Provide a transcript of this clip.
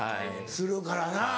するからな。